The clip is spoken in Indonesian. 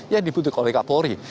yang dibuktikan oleh kapolri